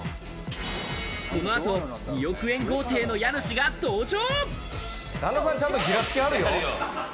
このあと２億円豪邸の家主が登場。